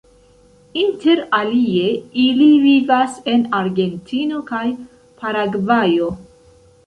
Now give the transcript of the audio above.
Inter alie ili vivas en Argentino kaj Paragvajo.